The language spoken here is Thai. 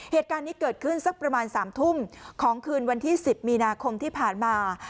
เหตุการณ์นี้เกิดขึ้นสักประมาณ๓ทุ่มของคืนวันที่๑๐มีนาคมที่ผ่านมา